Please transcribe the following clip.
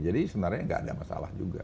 jadi sebenarnya tidak ada masalah juga